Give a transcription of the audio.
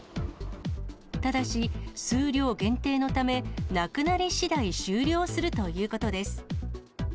ただし、数量限定のため、なくなりしだい終了するということです。